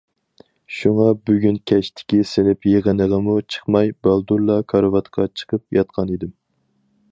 شۇڭا بۈگۈن كەچتىكى سىنىپ يىغىنىغىمۇ چىقماي بالدۇرلا كارىۋاتقا چىقىپ ياتقان ئىدىم.